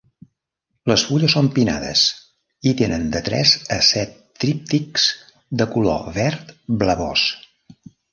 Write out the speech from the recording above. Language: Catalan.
Les fulles són pinades, i tenen de tres a set tríptics de color verd blavós.